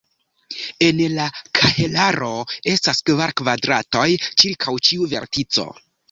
En la kahelaro estas kvar kvadratoj ĉirkaŭ ĉiu vertico.